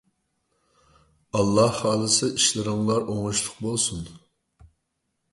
ئاللاھ خالىسا ئىشلىرىڭلار ئوڭۇشلۇق بولسۇن!